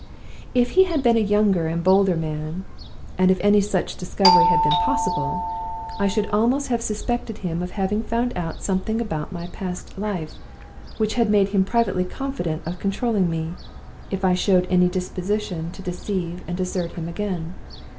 If he had been a younger and a bolder man (and if any such discovery had been possible), I should almost have suspected him of having found out something about my past life which had made him privately confident of controlling me, if I showed any disposition to deceive and desert him again.